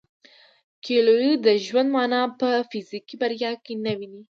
کویلیو د ژوند مانا په فزیکي بریا کې نه ویني.